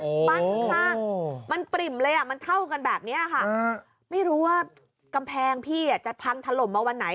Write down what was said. บ้านข้างมันปริ่มเลยอ่ะมันเท่ากันแบบนี้ค่ะไม่รู้ว่ากำแพงพี่จะพังถล่มมาวันไหน